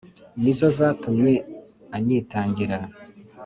ni zo zatumy' anyitangirira;